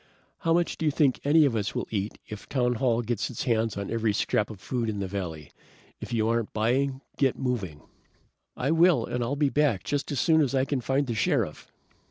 How much do you think any of us will eat if townhall gets its hands on every scrap of food in the valley? If you aren't buying, get moving!" "I will, and I'll be back just as soon as I can find the Sheriff!"